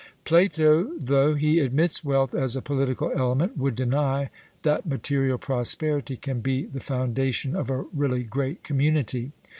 Plato, though he admits wealth as a political element, would deny that material prosperity can be the foundation of a really great community.